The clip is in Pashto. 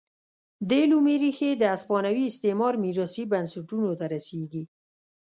دې لومې ریښې د هسپانوي استعمار میراثي بنسټونو ته رسېږي.